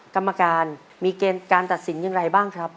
กรรมการมีเกณฑ์การตัดสินอย่างไรบ้างครับ